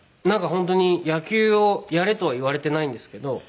なんか本当に野球をやれとは言われてないんですけど。